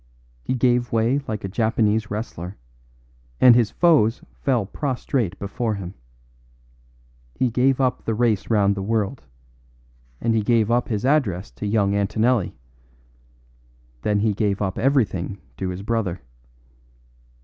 He gave way like a Japanese wrestler, and his foes fell prostrate before him. He gave up the race round the world, and he gave up his address to young Antonelli; then he gave up everything to his brother.